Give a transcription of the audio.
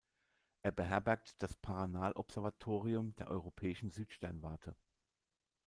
Er beherbergt das Paranal-Observatorium der Europäischen Südsternwarte.